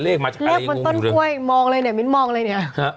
มาใช่ไหมเลขบนต้นกล้วยมองเลยเนี่ยมิ้นมองเลยเนี่ยฮะ